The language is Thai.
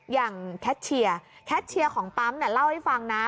อย่างแคทเชียร์แคทเชียร์ของปั๊มเนี่ยเล่าให้ฟังนะ